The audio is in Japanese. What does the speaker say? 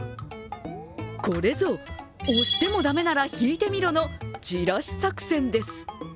これぞ押しても駄目なら引いてみろのじらし作戦です。